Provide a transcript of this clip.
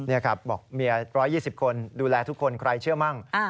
นี่ครับบอกเมีย๑๒๐คนดูแลทุกคนใครเชื่อมั่ง